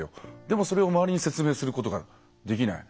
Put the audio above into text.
でもそれを周りに説明することができない。